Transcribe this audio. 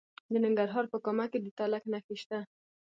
د ننګرهار په کامه کې د تالک نښې شته.